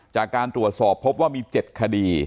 จากการตรวจสอบพบว่ามี๗คดี